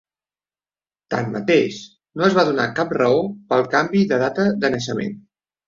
Tanmateix, no es va donar cap raó pel canvi de data de naixement.